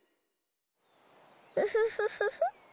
ウフフフフ。